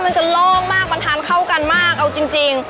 มันจะโล่งมากมันทานเข้ากันมากเอาจริง